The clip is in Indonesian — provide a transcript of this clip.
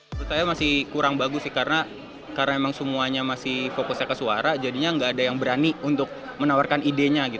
menurut saya masih kurang bagus sih karena memang semuanya masih fokusnya ke suara jadinya nggak ada yang berani untuk menawarkan idenya gitu